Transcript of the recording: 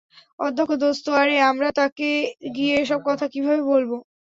অধ্যক্ষ, দোস্ত আরে, আমরা তাকে গিয়ে এসব কথা কিভাবে বলব?